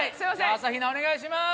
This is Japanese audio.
朝日奈お願いします。